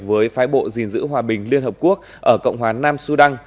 với phái bộ gìn giữ hòa bình liên hợp quốc ở cộng hòa nam sudan